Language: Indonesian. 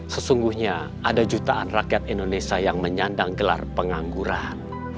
sesungguhnya ada jutaan rakyat indonesia yang menyandang gelar pengangguran